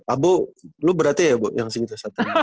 ah bu lo berarti ya yang segitu satu ratus enam puluh delapan